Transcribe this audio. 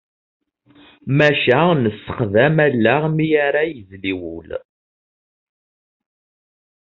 Maca nessexdam allaɣ mi ara yezli wul.